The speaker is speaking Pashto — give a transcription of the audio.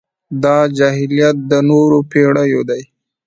دا جاهلیت د نورو پېړيو دی.